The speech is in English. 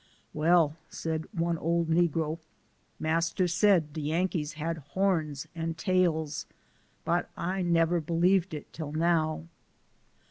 " Well," said one old negro, " Mas'r said de Yankees had horns and tails, but I nebber beliebed it till now."